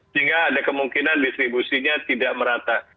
sehingga ada kemungkinan distribusinya tidak merata